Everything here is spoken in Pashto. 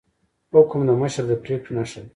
حکم د مشر د پریکړې نښه ده